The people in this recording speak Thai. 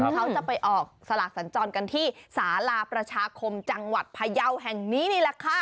เขาจะไปออกสลากสัญจรกันที่สาลาประชาคมจังหวัดพยาวแห่งนี้นี่แหละค่ะ